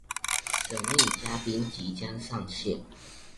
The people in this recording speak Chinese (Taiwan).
神秘嘉賓即將上線